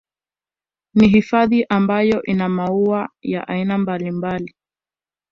Ni hifadhi ambayo ina maua ya aina mbalimbali